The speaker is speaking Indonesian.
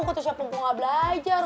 kata siapa gue gak belajar